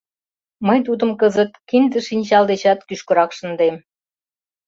Мый тудым кызыт кинде-шинчал дечат кӱшкырак шындем.